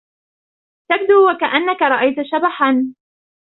تبدو و كأنك رأيت شبحا